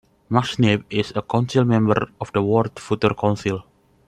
Max Neef is a council member of the World Future Council.